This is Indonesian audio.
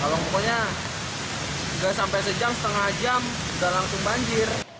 kalau pokoknya tiga sampai satu jam setengah jam sudah langsung banjir